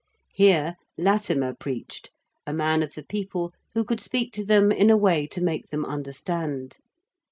Here Latimer preached, a man of the people who could speak to them in a way to make them understand.